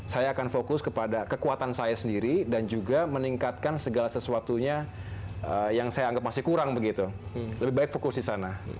saya akan fokus kepada kekuatan saya sendiri dan juga meningkatkan segala sesuatunya yang saya anggap masih kurang begitu lebih baik fokus di sana